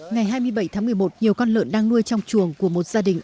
ngày hai mươi bảy tháng một mươi một nhiều con lợn đang nuôi trong chuồng của một gia đình